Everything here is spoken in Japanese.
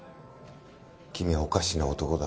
君はおかしな男だ。